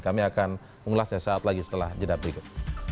kami akan mengulasnya saat lagi setelah jeda berikut